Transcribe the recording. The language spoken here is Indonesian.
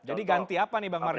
jadi ganti apa nih pak mardhani